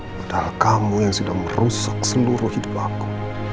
padahal kamu yang sudah merusak seluruh hidup aku